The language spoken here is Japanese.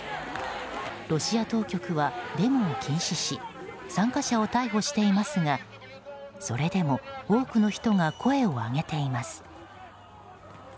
ロシア当局はデモを禁止し参加者を逮捕していますがそれでも多くの人が声を上げています。